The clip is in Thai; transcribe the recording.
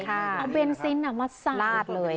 เอาเบนซิ้นมาสร้าง